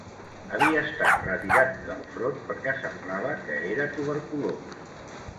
Havia estat retirat del front perquè semblava que era tuberculós